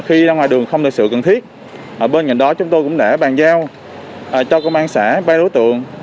khi ra ngoài đường không được sự cần thiết bên cạnh đó chúng tôi cũng đã bàn giao cho công an xã ba đối tượng